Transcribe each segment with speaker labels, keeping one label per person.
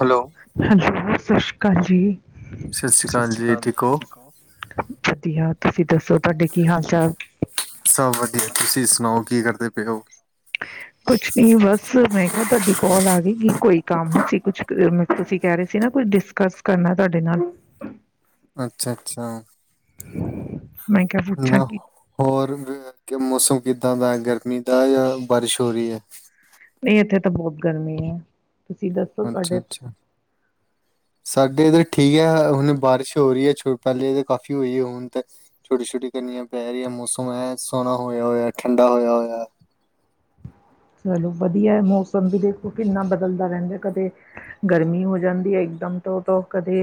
Speaker 1: Hello hello ਸਤਿ ਸ਼੍ਰੀ ਅਕਾਲ ਜੀ।
Speaker 2: ਸਤਿ ਸ਼੍ਰੀ ਅਕਾਲ ਜੀ ਠੀਕ ਹੋ।
Speaker 1: ਵਧੀਆ ਤੁਸੀਂ ਦੱਸੋ ਤੁਹਾਡੇ ਕੀ ਹਾਲ ਚਾਲ।
Speaker 2: ਸਭ ਵਧੀਆ ਤੁਸੀਂ ਸੁਣਾਓ ਕੀ ਕਰਦੇ ਪਏ ਹੋ।
Speaker 1: ਕੁਛ ਨੀ ਬਸ ਮੈਂ ਕਿਹਾ ਤੁਹਾਡੀ ਕੋਲ ਆ ਗਈਗੀ ਕੋਈ। ਕੰਮ ਸੀ ਕੁਛ ਤੁਸੀਂ ਕਹਿ ਰਹੇ ਸੀ ਨਾ ਕੁਛ ਡਿਸਕਸ ਕਰਨਾ ਤੁਹਾਡੇ ਨਾਲ
Speaker 2: ਅੱਛਾ ਅੱਛਾ।
Speaker 1: ਮੈਂ ਕ ਪੁੁ ਛਾ
Speaker 2: ਨਾ
Speaker 1: ਕੀ।
Speaker 2: ਹੋਰ ਮੌਸਮ ਕਿੱਦਾਂ ਦਾ ਗਰਮੀ ਦਾ ਜਾਂ ਬਾਰਿਸ਼ ਹੋ ਰਹੀ ਹੈ।
Speaker 1: ਨਹੀਂ ਇੱਥੇ ਤਾਂ ਬਹੁਤ ਗਰਮੀ ਹੈ। ਤੁਸੀਂ ਦੱਸੋ
Speaker 2: ਅੱਛਾ
Speaker 1: ਤੁਹਾਡੇ
Speaker 2: ਅੱਛਾ, ਸਾਡੇ ਇਧਰ ਠੀਕ ਹੈ ਹੁਣ ਬਾਰਿਸ਼ ਹੋ ਰਹੀ ਹੈ ਪਹਿਲੇ ਤਾਂ ਕਾਫ਼ੀ ਹੋਈ ਹੁਣ ਤੇ ਛੋਟੀ ਛੋਟੀ ਕਰਨੀੀਆਂ ਪੈ ਰਹੀਆਂ ਮੌਸਮ ਹੈ ਸੋਹਣਾ ਹੋਇਆ ਹੋਇਆ ਠੰਡਾ ਹੋਇਆ ਹੋਇਆ।
Speaker 1: ਚਲੋ ਵਧੀਆ ਮੌਸਮ ਵੀ ਦੇਖੋ ਕਿੰਨਾ ਬਦਲਦਾ ਰਹਿੰਦਾ ਕਦੇ ਗਰਮੀ ਹੋ ਜਾਂਦੀ ਹੈ ਇਕ ਦਮ ਤੋਂ ਤਾਂ ਕਦੇ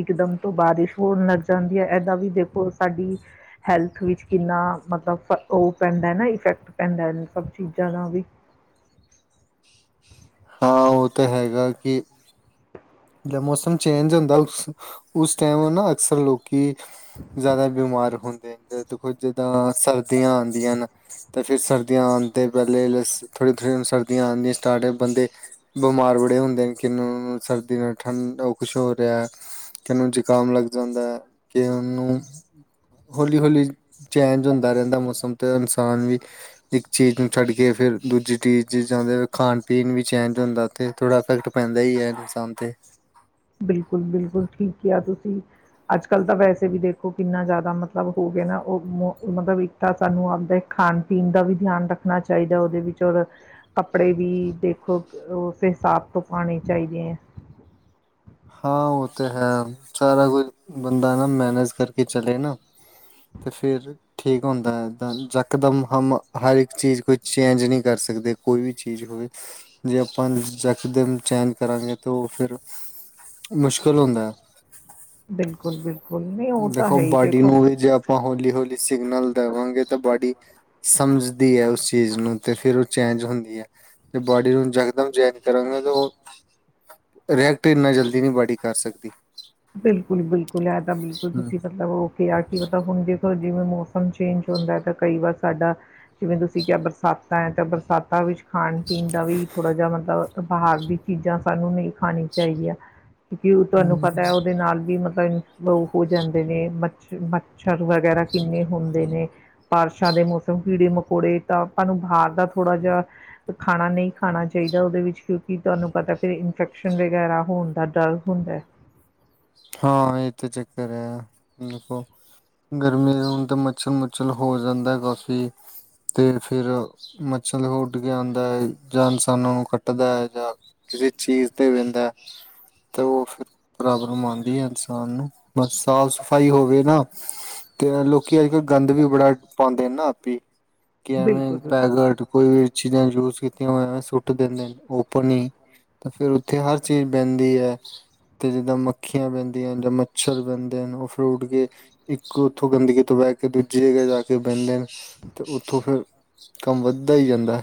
Speaker 1: ਇਕ ਦਮ ਤੋਂ ਬਾਰਿਸ਼ ਹੋਣ ਲੱਗ ਚਾਹੁੰਦੀ ਹੈ ਇੱਦਾਂ ਵੀ ਦੇਖੋ ਸਾਡੀ। ਹੈਲਥ ਵਿੱਚ ਕਿੰਨਾ ਮਤਲਬ ਉਹ ਪੈਂਦਾ ਨਾ ਇਫੈਕਟ ਪੈਂਦਾ ਸਭ ਚੀਜ਼ਾਂ ਦਾ ਵੀ
Speaker 2: ਹਾਂ ਉਹ ਤਾਂ ਹੈਗਾ ਕਿ। ਜਦ ਮੌਸਮ ਚੇਂਜ ਹੁੰਦਾ ਉਸ ਟਾਈਮ ਨਾ ਅਕਸਰ ਲੋਕ ਕਿ ਜ਼ਿਆਦਾ ਬਿਮਾਰ ਹੁੰਦੇ ਨੇ ਦੇਖੋ ਜਿੱਦਾਂ ਸਰਦੀਆਂ ਆਉਂਦੀਆਂ ਹਨ। ਫਿਰ ਸਰਦੀਆਂ ਆਂਦੇ ਪਹਿ ਥੜੀ ਥੜੀਆਂ ਸਰਦੀਆਂ ਆਉਂਆਂ ਸਟਾਰਟ ਬੰਦੇ। ਬਿਮਾਰ ਬੜੇ ਹੁੰਦੇ ਨੇ ਕਿਨੂੰ ਸਰਦੀ ਨਾਲ ਠੰਡ ਉਹ ਕੁਛ ਹੋ ਰਿਹਾ। ਕਿਨੂੰ ਜ਼ੁਕਾਮ ਲੱਗ ਜਾਂਦਾ ਹੈ ਕਿ ਉਹਨੂੰ ਹੌਲੀ ਹੌਲੀ ਚੇਂਜ ਹੁੰਦਾ ਰਹਿੰਦਾ ਮੌਸਮ ਤੇ ਇਨਸਾਨ ਵੀ। ਇੱਕ ਚੀਜ਼ ਨੂੰ ਛੱਡ ਕੇ ਫਿਰ ਦੂਜੀ ਚੀਜ਼ ਚਾਹਦੇ ਖਾਣ ਪੀਣ ਵੀ ਚੇਂਜ ਹੁੰਦਾ। ਤੇ ਥੋੜ੍ਹਾ ਇਫੈਕਟ ਪੈਂਦਾ ਹੀ ਹੈ ਇਨਸਾਨ ਤੇ।
Speaker 1: ਬਿਲਕੁਲ ਬਿਲਕੁਲ ਠੀਕ ਕਿਹਾ ਤੁਸੀਂ। ਅੱਜ ਕੱਲ੍ਹ ਤਾਂ ਵੈਸੇ ਵੀ ਦੇਖੋ ਕਿੰਨਾ ਜ਼ਿਆਦਾ ਮਤਲਬ ਹੋ ਗਿਆ ਨਾ ਉਹ ਮ ਮਤਲਬ ਇੱਕ ਤਾਂ ਸਾਨੂੰ ਆਪਦਾ ਖਾਣ ਪੀਣ ਦਾ ਵੀ ਧਿਆਨ ਰੱਖਣਾ ਚਾਹੀਦਾ ਉਹਦੇ ਵਿੱਚ ਔਰ ਕੱਪੜੇ ਵੀ ਦੇਖੋ ਉਸ ਹਿਸਾਬ ਤੋਂ ਪਾਉਣੇ ਚਾਹੀਦੇ ਹੈ।
Speaker 2: ਹਾਂ ਉਹ ਤਾਂ ਹੈ ਸਾਰਾ ਕੁਝ ਬੰਦਾ ਨਾ ਮੈਨੇਜ ਕਰਕੇ ਚਲੇ ਨਾ। ਤੇ ਫਿਰ ਠੀਕ ਹੁੰਦਾ ਏਦਾਂ ਯਕਦਮ ਹਮ ਹਰ ਇੱਕ ਚੀਜ਼ ਕੋਈ ਚੇਂਜ ਨਹੀਂ ਕਰ ਸਕਦੇ। ਕੋਈ ਵੀ ਚੀਜ਼ ਹੋਵੇ ਜੇ ਆਪਾਂ ਯਕਦਮ ਚੈਨ ਕਰਾਂਗੇ ਤਾਂ ਉਹ ਫਿਰ। ਮੁਸ਼ਕਿਲ ਹੁੰਦਾ।
Speaker 1: ਬਿਲਕੁਲ ਬਿਲਕੁਲ। ਨਹੀਂ ਉਹ ਤਾਂ
Speaker 2: ਦੇਖੋ
Speaker 1: ਹੈ ਹੀ
Speaker 2: ਬਾਡੀ
Speaker 1: ਦੇਖੋ
Speaker 2: ਨੂੰ ਵੀ ਜੇ ਆਪਾਂ ਹੌਲੀ ਹੌਲੀ ਸਿਗਨਲ ਦੇਵਾਂਗੇ ਤਾਂ ਬਾਡੀ। ਸਮਝਦੀ ਹੈ ਉਸ ਚੀਜ਼ ਨੂੰ ਤੇ ਫਿਰ ਉਹ ਚੇਂਜ ਹੁੰਦੀ ਹੈ। ਤੇ ਬੋਡੀ ਨੂੰ ਯਕਦਮ ਜਇਨ ਕਰਾਂਗੇ ਤੇ ਉਹ ਰਿਐਕਟ ਇੰਨਾ ਜਲਦੀ ਨਹੀਂ ਬਾੜੀ ਕਰ ਸਕਦੀ।
Speaker 1: ਬਿਲਕੁਲ ਬਿਲਕੁਲ ਇਹ ਤਾਂ ਬਿਲਕੁਲ ਤੁਸੀਂ ਮਤਲਬ ਉਹ। ਕਿਹਾ ਆ ਕਿ ਮਤਲਬ ਹੁਣ ਜੇਖੋ ਜਿਵੇਂ ਮੌਸਮ ਚੇਂਜ ਹੁੰਦਾ ਹੈ ਤਾਂ ਕਈ ਵਾਰ ਸਾਡਾ ਜਿਵੇਂ ਤੁਸੀਂ ਕਿਹਾ ਬਰਸਾਤਾਂ ਹੈ ਤਾਂ ਬਰਸਾਤਾਂ ਵਿੱਚ ਖਾਣ ਪੀਣ ਦਾ ਵੀ ਥੋੜ੍ਹਾ ਜਿ ਮਤਲਬ ਬਾਹਰ ਦੀ ਚੀਜ਼ਾਂ ਸਾਨੂੰ ਨਹੀਂ ਖਾਣੀ ਚਾਹੀਦੀਆਂ। ਕਿਉਕਿ ਉਹ ਤੁਹਾਨੂੰ
Speaker 2: ਹਮ
Speaker 1: ਪਤਾ ਉਹਦੇ ਨਾਲ ਵੀ ਮਤਲਬ ਹੋ ਜਾਂਦੇ ਨੇ ਮੱਛ ਮੱਛਰ ਵਗੈਰਾ ਕਿੰਨੇ ਹੁੰਦੇ ਨੇ। ਬਾਰਿਸ਼ਾਂ ਦੇ ਮੌਸਮ ਕੀੜੇ ਮਕੌੜੇ ਤਾਂ ਆਪਾਂ ਨੂੰ ਬਾਹਰ ਦਾ ਥੋੜ੍ਹਾ ਜਿਹਾ। ਖਾਣਾ ਨਹੀਂ ਖਾਣਾ ਚਾਹੀਦਾ ਉਹਦੇ ਵਿੱਚ ਕਿਉਂਕਿ ਤੁਹਾਨੂੰ ਪਤਾ ਫਿਰ ਇਨਫੈਕਸ਼ਨ ਵਗੈਰਾ ਹੋਣ ਦਾ ਡਰ ਹੁੰਦਾ।
Speaker 2: ਹਾਂ ਇਹ ਤਾਂ ਚੱਕਰ ਹੈ ਕੋ ਗਰਮੀ ਦੇ ਹਣ ਤਾਂ ਮੱਛਲ ਮੁੱਛਲ ਹੋ ਜਾਂਦਾ ਕਾਫੀ। ਤੇ ਫਿਰ ਮੱਛਰ ਦੇ ਉੱਡ ਕੇ ਆਉਂਦਾ ਹੈ ਜਾਂ ਇਨਸਾਨਾਂ ਨੂੰ ਕੱਟਦਾ ਹੈ ਜਾਂ। ਕਿਸੇ ਚੀਜ਼ ਤੇ ਬੈਂਦਾ ਤੇ ਉਹ ਫਿਰ ਬਰਾਬਰਮ ਆਦਾ ਇਸਾਨ ਨੂੰ ਬਸ ਸਾਫ਼ ਸਫ਼ਾਈ ਹੋਵੇ ਨਾ ਤੇ ਲੋਕ ਅੱਜ ਕਲ ਗੰਦ ਵੀ ਬੜਾ ਪਾਉਂਦੇ ਨੇ ਨਾ ਆਪੇ ਕਿ ਐਵੇਂ
Speaker 1: ਬਿਲਕੁਲ ਬਿਲਕੁਲ
Speaker 2: ਪੈਗਟ। ਕੋਈ ਵੀ ਚੀਜ਼ਾਂ ਯੂਜ ਕੀਤੀਆਂ ਹੋਵੇ ਸੁੱਟ ਦਿੰਦੇ ਨੇ ਓਪਨ ਹੀ। ਫਿਰ ਉੱਥੇ ਹਰ ਚੀਜ਼ ਬਹਿੰਦੀ ਹੈ ਤੇ ਜਿੱਦਾਂ ਪੱਖੀਆਂ ਬਣਦੀਆਂ ਜਾਂ ਮੱਛਰ ਬਣਦੇ ਹਨ ਉਹ ਫਰੂਟ ਵੀ ਇੱਕ ਉੱਥੋਂ ਗੰਦਗੀ ਤੋਂ ਬਹਿ ਕੇ ਦੂਜੀ ਜਗ੍ਹਾ ਜਾ ਕੇ ਬਹਿੰਦੇ ਨੇ ਤੇ ਉੱਥੋਂ ਫਿਰ ਕੰਮ ਵੱਧਦਾ ਹੀ ਜਾਂਦਾ।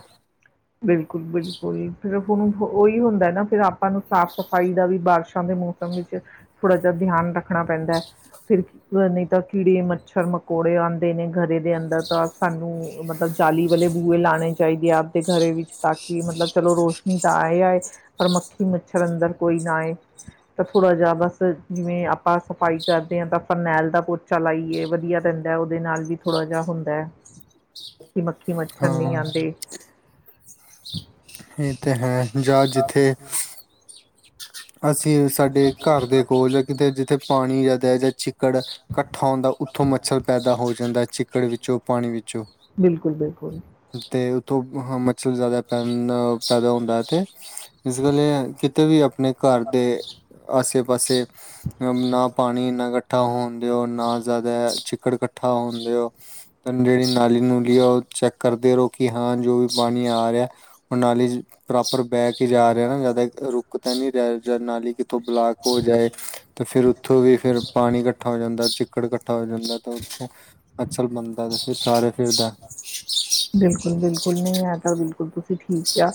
Speaker 1: ਬਿਲਕੁਲ ਬਿਲਕੁਲ ਫਿਰ ਹੁਣ ਉਹੀ ਹੁੰਦਾ ਨਾ ਫਿਰ ਆਪਾਂ ਨੂੰ ਸਾਫ਼ ਸਫਾਈ ਦਾ ਵੀ ਬਾਰਸ਼ ਦੇ ਮੌਸਮ ਵਿੱਚ ਥੋੜਾ ਜਿਹਾ ਧਿਆਨ ਰੱਖਣਾ ਪੈਂਦਾ ਹੈ ਫਿਰ ਕੀ ਨਹੀਂ ਤਾਂ ਕੀੜੇ ਮੱਛਰ ਮਕੌੜੇ ਆਉਂਦੇ ਨੇ ਘਰੇ ਦੇ ਅੰਦਰ ਤਾਂ ਸਾਨੂੰ ਮਤਲਬ ਜਾਲੀ ਵਾਲੇ ਬੂਏ ਲਾਉਣੇ ਚਾਹੀਦੇ ਆ ਆਪਦੇ ਘਰੇ ਵਿੱਚ ਤਾਂ ਕਿ ਮਤਲਬ ਚਲੋ ਰੋਸ਼ਨੀ ਤਾਂ ਆਏਏ। ਪਰ ਮੱਖੀ ਮੱਛਰ ਅੰਦਰ ਕੋਈ ਨਾਏ। ਤਾਂ ਥੋੜਾ ਜਹਾ ਬਸ ਜਿਵੇਂ ਆਪਾਂ ਸਫ਼ਾਈ ਕਰਦੇ ਹਾਂ ਤਾਂ ਫਰਨੈਲ ਦਾ ਪੋਚ ਚਲਾਈਏ ਵਧੀਆ ਪੈਂਦਾ ਉਹਦੇ ਨਾਲ ਵੀ ਥੋੜ੍ਹਾ ਜਿਹਾ ਹੁੰਦਾ।
Speaker 2: [inaudible]
Speaker 1: ਕਿ ਮੱਖੀ ਮੱਛਰ ਨੀ
Speaker 2: ਹਾਂ
Speaker 1: ਆਉਂਦੇ।
Speaker 2: ਇਹ ਤੇ ਹੈ ਜਾਂ ਜਿੱਥੇ ਅਸੀਂ ਸਾਡੇ ਘਰ ਦੇ ਕੋਲ ਜਾਂ ਕਿਤੇ ਜਿੱਥੇ ਪਾਣੀ ਜ਼ਿਆਦਾ ਜਾਂ ਚ ਚਿੱਕੜ ਇਕੱਠਾ ਹੁੰਦਾ ਉੱਥੋਂ ਮੱਛਰ ਪੈਦਾ ਹੋ ਜਾਂਦਾ ਚਿੱਕੜ ਵਿੱਚੋਂ ਪਾਣੀ ਵਿੱਚ
Speaker 1: ਬਿਲਕੁਲ ਬਿਲਕੁਲ।
Speaker 2: ਤੇ ਉੱਥੋਂ ਮੱਛਰ ਜਾਦਾ ਪੈ ਪੈਦਾ ਹੁੰਦਾ ਤੇ ਇਸ ਗੱਲ ਇਹ ਕਿ ਆਪਣੇ ਘਰ ਦੇ ਆਸੇ ਪਾਸੇ ਅ ਨਾ ਪਾਣੀ ਇਨਾ ਇਕੱਠਾ ਹੋਣ ਦਿਓ ਨਾ ਜ਼ਿਆਦਾ ਚਿੱਕੜ ਇਕੱਠਾ ਹੋਣ ਦਿਓ। ਜਿਹੜੀ ਨਾਲੀ ਨੂੰਲੀ ਆ ਉਹ ਚੈੱਕ ਕਰਦੇ ਰਹੋ ਕਿ ਹਾਂ ਜੋ ਵੀ ਪਾਣੀ ਆ ਰਿਹਾ। ਨਾਲੀ ਪ੍ਰੋਪਰ ਬਹਿ ਕੇ ਜਾ ਰਿਹਾ ਨਾ, ਜਿਆਦਾ ਰੁਕ ਤਾਂ ਨੀ ਰਹਿ ਜਰਨਾਲੀ ਤੋਂ ਬਲਾਕ ਹੋ ਜਾਏ ਤੇ ਫਿਰ ਉੱਥੋਂ ਦੀ ਫਿਰ ਪਾਣੀ ਇਕੱਠਾ ਹੋ ਜਾਂਦਾ, ਚਿੱਕੜ ਇਕੱਠਾ ਹੋ ਜਾਂਦਾ ਤਾਂ ਉਥੇ ਅਕਸਰ ਬੰਦਾ ਤਾਂ ਫਿਰ ਸਾਰੇ ਫਿਰਦਾ
Speaker 1: ਬਿਲਕੁਲ-ਬਿਲਕੁਲ, ਨਈ ਐ ਤਾਂ ਬਿਲਕੁਲ ਤੁਸੀਂ ਠੀਕ ਕਿਆ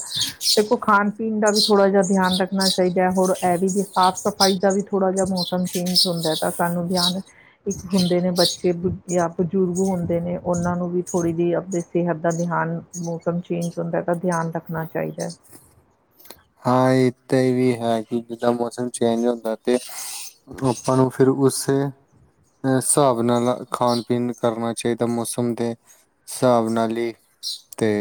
Speaker 1: ਦੇਖੋ ਖਾਨ ਪੀਨ ਦਾ ਵੀ ਥੋੜ੍ਹਾ ਜਿਹਾ ਧਿਆਨ ਰੱਖਣਾ ਚਾਈਦਾ ਹੋਰ ਇਹ ਵੀ ਸਾਫ਼-ਸਫ਼ਾਈ ਦਾ ਵੀ ਥੋੜ੍ਹਾ ਜਿਹਾ ਮ ਮੌਸਮ ਚੇਂਜ ਹੁੰਦਾ ਤਾਂ ਸਾਨੂੰ ਧਿਆਨ ਇੱਕ ਹੁੰਦੇ ਨੇ ਬੱਚੇ ਯਾ ਬਜ਼ੁਰਗ ਹੁੰਦੇ ਨੇ ਓਨਾਂ ਨੂੰ ਵੀ ਥੋੜ੍ਹੀ ਜੀ ਅਪਨੀ ਸਿਹਤ ਦਾ ਧਿਆਨ, ਮੌਸਮ ਚੇਂਜ ਹੁੰਦਾ ਤਾਂ ਧਿਆਨ ਰੱਖਣਾ ਚਾਈਦਾ।
Speaker 2: ਹਾਂ ਇਹ ਤਾਂ ਵੀ ਹੈ ਕਿ ਜਿੱਦਾਂ ਮੌਸਮ ਚੇਂਜ ਹੁੰਦਾ ਤੇ ਆਪਾਂ ਨੂੰ ਫਿਰ ਉਸ ਹਿਸਾਬ ਨਾਲ ਖਾਨ-ਪੀਨ ਕਰਨਾ ਚਾਈਦਾ ਮੌਸਮ ਦੇ। ਸਾਵ ਨਾਲੀ ਤੇ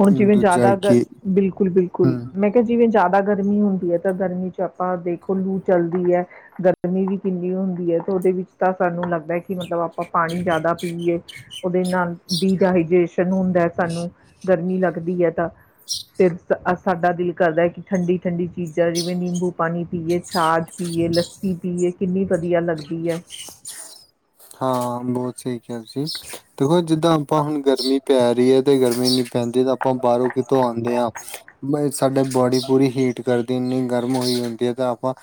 Speaker 1: ਹੁਣ ਜਿਵੇਂ
Speaker 2: ਦੂਜਾ
Speaker 1: ਜਾਦਾ ਅਗਰ
Speaker 2: ਕਿ
Speaker 1: ਬਿਲਕੁਲ-ਬਿਲਕੁਲ
Speaker 2: ਹਮ
Speaker 1: ਮੈਂ ਤੇ ਜਿਵੇਂ ਜਿਆਦਾ ਗਰਮੀ ਹੁੰਦੀ ਐ ਤਾਂ ਗਰਮੀ 'ਚ ਆਪਾਂ ਦੇਖੋ ਲੂ ਚਲਦੀ ਐ। ਗਰਮੀ ਵੀ ਕਿੰਨੀ ਹੁੰਦੀ ਐ ਤੇ ਓਦੇ ਵਿੱਚ ਤਾਂ ਸਾਨੂੰ ਲੱਗਦਾ ਕਿ ਮਤਲਬ ਆਪਾਂ ਪਾਣੀ ਜਾਦਾ ਪੀਏ। ਓਦੇ ਨਾਲ ਦੀਜਹਾਜੇਸ਼ਨ ਹੁੰਦਾ ਸਾਨੂੰ, ਗਰਮੀ ਲੱਗਦੀ ਐ ਤਾ। ਫਿਰ ਸ ਸਾਡਾ ਦਿਲ ਕਰਦਾ ਕਿ ਠੰਡੀ-ਠੰਡੀ ਚੀਜ਼ਾਂ ਜਿਵੇਂ ਨਿੰਬੂ ਪਾਣੀ ਪੀਏ ਛਾਜ ਪੀਏ, ਲੱਸੀ ਪੀਏ ਕਿੰਨੀ ਵਧੀਆ ਲੱਗਦੀ ਐ।
Speaker 2: ਹਾਂ ਬੋਤ ਸਈ ਕਿਹਾ ਤੁਸੀਂ, ਦੇਖੋ ਜਿੱਦਾਂ ਆਪਾਂ ਹੁਨ ਗਰਮੀ ਪੈ ਰੀ ਐ ਤੇ ਗਰਮੀ ਪੈਂਦੀ ਤਾਂ ਆਪਾਂ ਬਾਰੋਂ ਕਿਥੋਂ ਆਨੇ ਆਂ ਮੋ ਸਾਡੇ ਬੋਡੀ ਪੂਰੀ ਹੀਟ ਕਰਦੀ, ਇੰਨੀ ਗਰਮ ਹੋਈ ਹੁੰਦੀ ਐ ਤਾਂ ਆਪਾਂ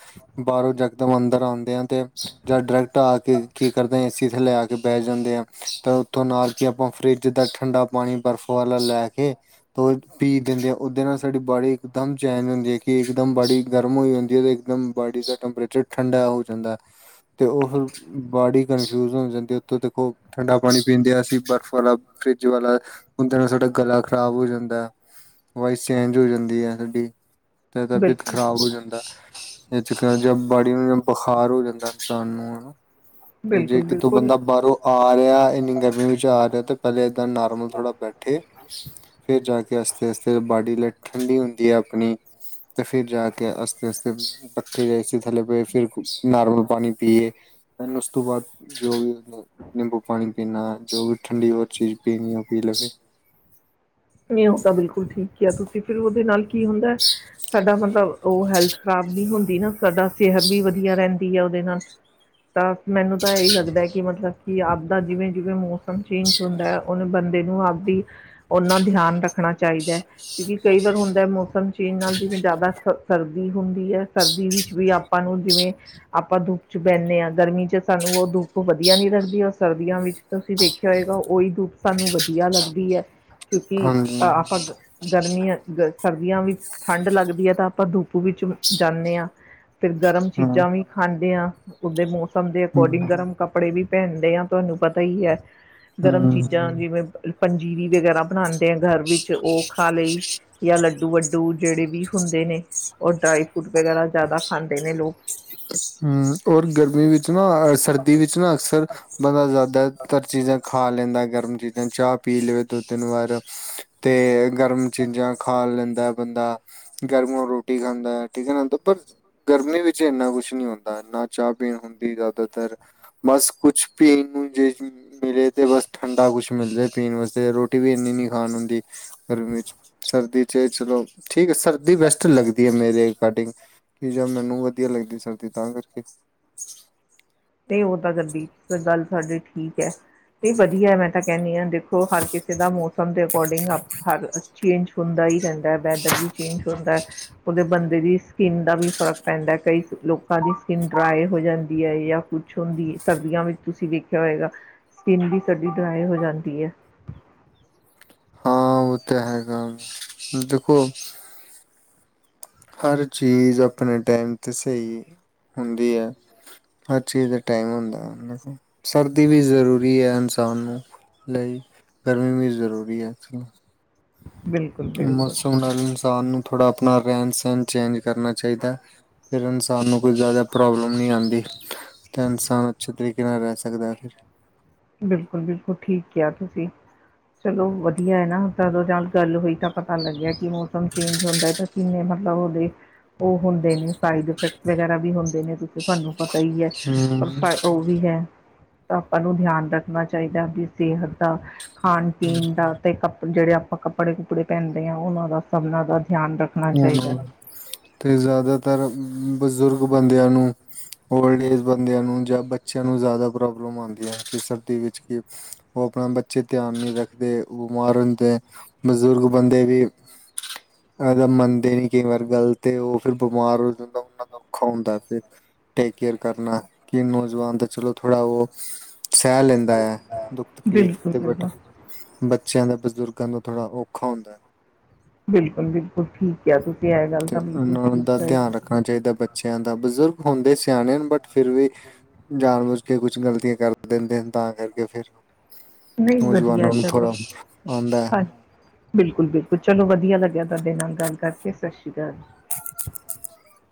Speaker 2: ਬਾਰੋਂ ਜਾ ਇਕਦਮ ਅੰਦਰ ਆਂਦੇ ਆ ਤੇ ਜਾਂ ਡਾਇਰੈਕਟ ਆ ਕੇ ਕਰਦੇ ਆਂ ਏ ਸੀ ਥੱਲੇ ਆ ਕੇ ਬਹਿ ਜਾਂਦੇ ਆਂ ਤਾਂ ਉੱਥੋਂ ਨਾਲ ਦੀ ਆਪਾਂ ਫਰਿੱਜ ਦਾ ਠੰਡਾ ਪਾਣੀ ਬਰਫ਼ ਵਾਲਾ ਲੈ ਕੇ ਪ ਪੀ ਦਿੰਦੇ ਆ ਓਦੇ ਨਾਲ ਸਾਡੀ ਬਾਡੀ ਇਕਦਮ ਚੇਜ ਹੁੰਦੀ ਐ ਕਿ ਇਕਦਮ ਬਾਡੀ ਗਰਮ ਹੋਈ ਹੁੰਦੀ ਐ ਤੇ ਇਕਦਮ ਬਾਡੀ ਦਾ ਟੈਂਪਰੇਚਰ ਠੰਡਾ ਹੋ ਜਾਂਦਾ ਤੇ ਓ ਫੇਰ ਬਾਡੀ ਕਨਫਿਊਜ ਹੋ ਜਾਂਦੀ ਓਥੇ ਦੇਖੋ ਠੰਡਾ ਪਾਣੀ ਪੀਂਦੇ ਆ ਅਸੀਂ ਬਰਫ਼ ਵਾਲਾ, ਫਰਿੱਜ ਵਾਲਾ। ਉੰਦੇ ਨਾਲ ਸਾਡਾ ਗਲਾ ਖ਼ਰਾਬ ਹੋ ਜਾਂਦਾ, ਵੋਇਸ ਚੇਂਜ ਹੋ ਜਾਂਦੀ ਐ ਸਾਡੀ। ਤੇ ਤਬੀਅਤ
Speaker 1: ਬਿਲਕੁਲ
Speaker 2: ਖ਼ਰਾਬ ਹੋ ਜਾਂਦਾ। ਇਹ ਚ [unintelligible] ਬਾੜੀ ਨੂੰ ਜਾਂ ਬੁਖਾਰ ਹੋ ਜਾਂਦਾ ਇਨਸਾਨ ਨੂੰ ਹਨਾ। ਤੇ ਜੇ
Speaker 1: ਬਿਲਕੁਲ
Speaker 2: ਕਿਥੋਂ
Speaker 1: ਬਿਲਕੁਲ
Speaker 2: ਬੰਦਾ ਬਾਰੋਂ ਆ ਰੇਆ ਇੰਨੀ ਗਰਮੀ ਵਿੱਚ ਆ ਰੇਆ ਤੇ ਪਹਿਲੇ ਇਦਾਂ ਨੋਰਮਲ ਥੋੜਾ ਬੈਠੇ। ਫਿਰ ਜਾ ਕੇ ਆਸਤੇ-ਆਸਤੇ ਬਾਡੀ ਲੈ ਠੰਡੀ ਹੁੰਦੀ ਐ ਅਪਨੀ। ਤੇ ਫਿਰ ਜਾ ਕੇ ਅਸਤੇ-ਅਸਤੇ ਪੱਖੇ ਯਾ ਏ ਸੀ ਥੱਲੇ ਬਏ ਫੇਰ ਨਾਰਮਲ ਪਾਣੀ ਪੀਏ। [unintelligible] ਉਸ ਤੋਂ ਬਾਦ ਜੋ ਵੀ ਨਿੰਬੂ ਪਾਣੀ ਪੀਨਾ, ਜੋ ਵੀ ਠੰਡੀ ਹੋਰ ਚੀਜ਼ ਪੀਨੀ ਓ ਪੀ ਲਵੇ।
Speaker 1: ਨਈ ਓ ਤਾਂ ਬਿਲਕੁਲ ਠੀਕ ਕਿਹਾ ਤੁਸੀਂ ਫਿਰ ਉਦੇ ਨਾਲ ਕੀ ਹੁੰਦਾ। ਸਾਡਾ ਮਤਲਬ ਓ ਹੈਲਥ ਖ਼ਰਾਬ ਨਹੀਂ ਹੁੰਦੀ ਨਾ, ਸਾਡਾ ਸਿਹਤ ਵੀ ਵਧੀਆ ਰਹਿੰਦੀ ਐ ਓਦੇ ਨਾਲ। ਤਾਂ ਮੈਨੂੰ ਤਾਂ ਏਈ ਲੱਗਦਾ ਐ ਕਿ ਮਤਲਬ ਕਿ ਆਪਦਾ ਜਿਵੇਂ ਜਿਵੇਂ ਮ ਮੌਸਮ ਚੇਂਜ ਹੁੰਦਾ ਐ ਉਨ ਬੰਦੇ ਨੂੰ ਆਪਦੀ ਓਨਾਂ ਧਿਆਨ ਰੱਖਣਾ ਚਾਈਦਾ ਐ ਕਿਉਂਕਿ ਕਈ ਵਾਰ ਹੁੰਦਾ ਮੌਸਮ ਚੇਂਜ ਨਾਲ ਜਿਵੇਂ ਜਾਦਾ ਸ ਸਰਦੀ ਹੁੰਦੀ ਐ ਸਰਦੀ ਵਿੱਚ ਵੀ ਆਪਾਂ ਨੂੰ ਜਿਵੇਂ ਆਪਾਂ ਧੁੱਪ 'ਚ ਬੈਨੇ ਆਂ, ਗਰਮੀ 'ਚ ਸਾਨੂੰ ਓ ਧੁੱਪ ਵਧੀਆ ਨੀ ਲੱਗਦੀ ਔਰ ਸਰਦੀਆਂ ਵਿੱਚ ਤੁਸੀਂ ਦੇਖਿਆ ਹੋਏਗਾ ਓਈ ਧੁੱਪ ਸਾਨੂੰ ਵਧੀਆ ਲੱਗਦੀ ਐ ਕਿਉਂਕਿ
Speaker 2: ਹਾਂਜੀ
Speaker 1: ਅ ਆਪਾਂ ਗਰਮੀਆਂ, ਸਰਦੀਆਂ ਵਿੱਚ ਠੰਡ ਲੱਗਦੀ ਐ ਤਾਂ ਆਪਾਂ ਧੁੱਪ ਵਿੱਚ ਜਾਂਨੇ ਆਂ। ਫੇਰ ਗਰਮ
Speaker 2: ਹਾਂ
Speaker 1: ਚੀਜ਼ਾਂ ਵੀ ਖਾਂਦੇ ਆਂ, ਓਦੇ ਮੌਸਮ ਦੇ
Speaker 2: ਹੂੰ
Speaker 1: ਅਕੋਰਡਿੰਗ ਗਰਮ ਕੱਪੜੇ ਵੀ ਪਹਿਨਦੇ ਆਂ ਤੁਹਾਨੂੰ ਪਤਾ ਈ ਐ, ਗਰਮ
Speaker 2: ਹੂੰ
Speaker 1: ਚੀਜ਼ਾਂ ਜਿਵੇਂ ਪੰਜੀਰੀ ਵਗੈਰਾ ਬਨਾਂਦੇ ਆਂ ਘਰ ਵਿੱਚ ਓ ਖਾ ਲਈ ਯਾ ਲੱਡੂ ਵੱਡੂ ਜੇੜੇ ਵੀ ਹੁੰਦੇ ਨੇ ਔਰ ਡਰਾਈ ਫਰੂਟ ਵਗੈਰਾ ਜਾਦਾ ਖਾਂਦੇ ਨੇ ਲੋਕ।
Speaker 2: ਹਂ, ਔਰ ਗਰਮੀ ਵਿੱਚ ਨਾਂ, ਸਰਦੀ ਵਿੱਚ ਨਾਂ ਅਕਸਰ ਬੰਦਾ ਜ਼ਿਆਦਾ ਜਿਆਦਾਤਰ ਚੀਜ਼ਾਂ ਖਾ ਲੈਂਦਾ ਗਰਮ ਚੀਜ਼ਾਂ, ਚਾਹ ਪੀ ਲਵੇ ਦੋ-ਤਿੰਨ ਵਾਰ ਤੇ ਗਰਮ ਚੀਜ਼ਾਂ ਖਾ ਲੈਂਦਾ ਬੰਦਾ। ਗਰਮੋ ਰੋਟੀ ਖਾਂਦਾ ਏ, ਠੀਕ ਐ ਨਾਂ ਪਰ ਗਰਮੀ ਵਿੱਚ ਇੰਨਾ ਕੁਛ ਕੁਛ ਨੀ ਹੋਤਾ, ਨਾਂ ਚਾਹ ਪੀਣ ਹੁੰਦੀ ਜ਼ਿਆਦਾਤਰ, ਬਸ ਕੁਛ ਪੀਣ ਨੂੰ ਜੇ ਮਿਲੇ ਤੇ ਬਸ ਠੰਡਾ ਕੁਛ ਮਿਲਜੇ ਪੀਣ ਵਾਸਤੇ, ਰੋਟੀ ਵੀ ਇਨੀਂ ਨੀਂ ਖਾਣ ਹੁੰਦੀ। ਗਰਮੀ ਚ ਸਰਦੀ ਚ ਚਲੋ ਠੀਕ ਐ, ਸਰਦੀ ਬੈਸਟ ਲੱਗਦੀ ਐ ਮੇਰੇ ਅਕੋਡਿੰਗ। ਕਿ ਜਾਂ ਮੈਨੂੰ ਵਧੀਆ ਲੱਗਦੀ ਸਰਦੀ ਤਾਂ ਕਰਕੇ।
Speaker 1: ਨ੍ਹੀਂ ਉਹ ਤਾਂ ਕਰਦੀ ਫ ਗੱਲ ਸਾਡੀ ਠੀਕ ਐ। ਇਹ ਵਧੀਆ ਮੈਂ ਤਾਂ ਕਹਿੰਣੀ ਆਂ, ਦੇਖੋ ਹਰ ਕਿਸੇ ਦਾ ਮੌਸਮ ਦੇ ਅਕੋਰਡਿੰਗ ਅਪ ਹਰ ਚੇਂਜ ਹੁੰਦਾ ਹੀ ਰਹਿੰਦਾ ਐ, ਵੈਦਰ ਵੀ ਚੇਂਜ ਹੁੰਦਾ। ਉਹਦੇ ਬੰਦੇ ਦੀ ਸਕਿੰਨ ਦਾ ਵੀ ਫ਼ਰਕ ਪੈਂਦਾ, ਕਈ ਲੋਕਾਂ ਦੀ ਸਕਿੰਨ ਡਰਾਏ ਹੋ ਜਾਂਦੀ ਏ ਜਾਂ ਕੁਛ ਹੁੰਦੀ ਸਰਦੀਆਂ ਵਿੱਚ ਤੁਸੀਂ ਵੇਖਿਆ ਹੋਏਗਾ, ਸਕਿੰਨ ਵੀ ਸਾਡੀ ਡਰਾਏ ਹੋ ਜਾਂਦੀ ਐ।
Speaker 2: ਹਾਂ ਉਹ ਤਾਂ ਹੈਗਾ ਦੇਖੋ। ਹਰ ਚੀਜ਼ ਆਪਣੇ ਟਾਈਮ ਤੇ ਸਹੀ ਹੁੰਦੀ ਐ। ਹਰ ਚੀਜ਼ ਦਾ ਟਾਈਮ ਹੁੰਦਾ, ਸਰਦੀ ਵੀ ਜ਼ਰੂਰੀ ਏ ਇਨਸਾਨ ਨੂੰ। ਲਈ ਗਰਮੀ ਵੀ ਜ਼ਰੂਰੀ ਐ [unintelligible]
Speaker 1: ਬਿਲਕੁਲ ਬਿਲਕੁਲ
Speaker 2: ਮੌਸਮ ਨਾਲ ਇਨਸਾਨ ਨੂੰ ਥੋੜ੍ਹਾ ਆਪਣਾ ਰਹਿਣ-ਸਹਿਣ ਚੇਂਜ ਕਰਨਾ ਚਾਈਦਾ। ਫਿਰ ਇਨਸਾਨ ਨੂੰ ਕੋਈ ਜ਼ਿਆਦਾ ਪ੍ਰੋਬਲਮ ਨਈਂ ਆਂਦੀ ਤਾਂ ਇਨਸਾਨ ਅੱਛੇ ਤਰੀਕੇ ਨਾਲ ਰਹਿ ਸਕਦਾ ਫਿਰ।
Speaker 1: ਬਿਲਕੁਲ ਬਿਲਕੁਲ, ਠੀਕ ਕਿਹਾ ਤੁਸੀਂ। ਚਲੋ ਵਧੀਆ ਐ ਨਾਂ ਤਾਂਦੋਂ ਨਾਲ ਗੱਲ ਹੋਈ ਤਾਂ ਪਤਾ ਲੱਗਿਆ ਕਿ ਮੌਸਮ ਚੇਂਜ ਹੁੰਦਾ ਤਾਂ ਕਿੰਨੇ ਮਤਲਬ ਉਹਦੇ ਉਹ ਹੁੰਦੇ ਨੇਂ, ਸਾਈਡ ਇਫੈਕਟ ਵਗੈਰਾ ਵੀ ਹੁੰਦੇ ਨੇਂ। ਤੁਹਾਨੂੰ ਪਤਾ ਈ ਏ,
Speaker 2: ਹਮ
Speaker 1: ਪਰ ਉਹ ਵੀ ਐ, ਤਾਂ ਆਪਾਂ ਨੂੰ ਧਿਆਨ ਰੱਖਣਾ ਚਾਈਦਾ ਵੀ ਸਿਹਤ ਦਾ ਖਾਣ-ਪੀਣ ਦਾ ਤੇ ਕੱਪ ਜਿਹੜੇ ਆਪਾਂ ਕੱਪ ਕੱਪੜੇ-ਕੁੱਪੜੇ ਪਹਿਨਦੇ ਆਂ, ਉਹਨਾਂ ਦਾ ਸਭਨਾਂ ਦਾ ਧਿਆਨ ਰੱਖ
Speaker 2: [unintelligible] ਤੇ ਜ਼ਿਆਦਾਤਰ ਬਜ਼ੁਰਗ ਬੰਦਿਆਂ ਨੂੰ ਓਲਡ ਏਜ ਬੰਦਿਆਂ ਨੂੰ ਜਾਂ ਬੱਚਿਆਂ ਨੂੰ ਜ਼ਿਆਦਾ ਪ੍ਰੋਬਲਮ ਆਂਦੀਆਂ ਸਰਦੀ ਵਿੱਚ ਕਿ ਉਹ ਆਪਣਾ ਬੱਚੇ ਧਿਆਨ ਨੀਂ ਰੱਖਦੇ, ਬਿਮਾਰ ਹੁੰਦੇ ਬਜ਼ੁਰਗ ਬਦੇ ਵੀ [unintelligible] ਮੰਨਦੇ ਨੀਂ ਕਈ ਵਾਰ ਗੱਲ ਤੇ ਉਹ ਫਿਰ ਬਿਮਾਰ ਹੋ ਜਾਂਦਾ ਉਹਨਾਂ ਦਾ ਔਖਾ ਹੁੰਦਾ ਫਿਰ ਟੇਕ ਕੇਅਰ ਕਰਨਾ ਕਿ ਨੌਜਵਾਨ ਤਾਂ ਚਲੋ ਥੋੜ੍ਹਾ ਉਹ ਸਹਿ ਲੈਂਦਾ ਆ, ਦੁੱਖ ਤਕਲੀਫ਼
Speaker 1: ਬਿਲਕੁਲ
Speaker 2: ਤੇ
Speaker 1: ਬਿਲਕੁਲ
Speaker 2: ਬਟ ਬੱਚਿਆਂ ਦਾ, ਬਜ਼ੁਰਗਾਂ ਦਾ ਥੋੜਾ ਔਖਾ ਹੁੰਦਾ।
Speaker 1: ਬਿਲਕੁਲ ਬਿਲਕੁਲ, ਠੀਕ ਕਿਆ। ਤੁਸੀਂ ਇਹ ਗੱਲ ਤਾਂ ਬਿਲਕੁਲ ਠੀਕ ਕ
Speaker 2: ਣਾ ਚਾਹੀਦਾ ਬੱਚਿਆਂ ਦਾ। ਬਜ਼ੁਰਗ ਹੁੰਦੇ ਸਿਆਣੇ ਬਟ ਫਿਰ ਵੀ ਜਾਣ ਬੁਝ ਕੇ ਕੁਛ ਗਲਤੀਆਂ ਕਰ ਦਿੰਦੇ [unintelligible] ਤਾਂ ਕਰਕੇ ਫੇਰ
Speaker 1: ਧਿਆਨ ਮੁਸ਼ਕਿਲ ਮੁਸ਼ਕਿਲ ਦੀ ਗੱਲ ਕਿਰਦਾਰ ਨਹੀਂ ਵਧੀਆ
Speaker 2: ਨੌਜਵਾਨਾਂ ਨੂੰ
Speaker 1: ਚਲੋ
Speaker 2: ਥੋੜਾ ਆਂਦਾ।
Speaker 1: ਹਾਂ ਬਿਲਕੁਲ ਬਿਲਕੁਲ, ਚਲੋ ਵਧੀਆ ਲੱਗਿਆ ਤੁਹਾਡੇ ਨਾਲ ਗੱਲ ਕਰਕੇ। ਸਤਿ ਸ਼੍ਰੀ ਅਕਾਲ।
Speaker 2: [unintelligible]